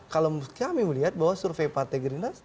kalau kami melihat bahwa survei partai gerindra